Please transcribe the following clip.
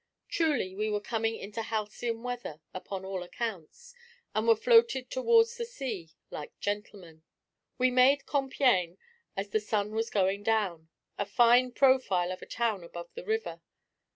Truly we were coming into halcyon weather upon all accounts, and were floated towards the sea like gentlemen. We made Compiègne as the sun was going down: a fine profile of a town above the river.